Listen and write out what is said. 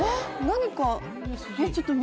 何か。